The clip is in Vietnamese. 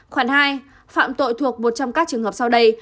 khoản hai phạm tội thuộc một trong các trường hợp sau đây